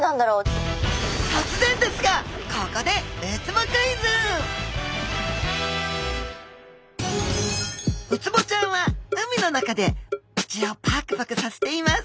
とつぜんですがここでウツボちゃんは海の中で口をパクパクさせています。